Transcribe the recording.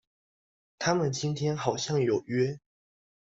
他們今天好像有約